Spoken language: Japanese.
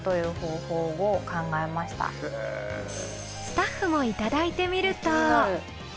スタッフもいただいてみると。